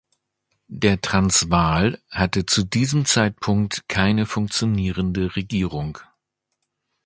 Der Transvaal hatte zu diesem Zeitpunkt keine funktionierende Regierung.